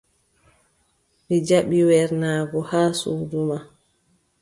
Mi jaɓi wernaago haa suudu ma.